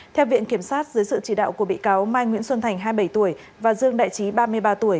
theo viện kiểm sát dưới sự chỉ đạo của bị cáo mai nguyễn xuân thành hai mươi bảy tuổi và dương đại trí ba mươi ba tuổi